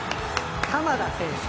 玉田選手。